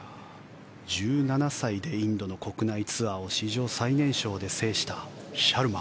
１７歳でインドの国内ツアーを史上最年少で制したシャルマ。